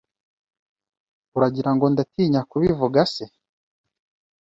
uragira ngo ndatinya kubivuga se?”